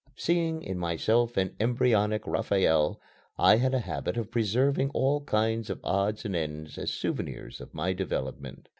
Seeing in myself an embryonic Raphael, I had a habit of preserving all kinds of odds and ends as souvenirs of my development.